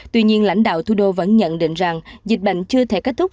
tuy nhiên lãnh đạo thủ đô vẫn nhận định rằng dịch bệnh chưa thể kết thúc